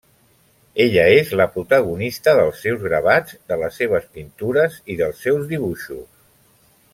Ella és la protagonista dels seus gravats, de les seves pintures i dels seus dibuixos.